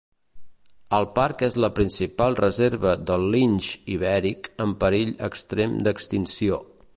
El parc és la principal reserva del linx ibèric en perill extrem d’extinció.